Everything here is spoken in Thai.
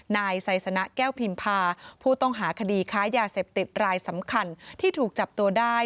นายไซสนะแก้วพิมพาผู้ต้องหาคดีค้ายาเสพติดรายสำคัญที่ถูกจับตัวได้